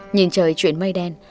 nhìn trời chuyển mây đen